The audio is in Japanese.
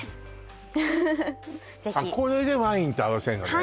ぜひあっこれでワインと合わせんのね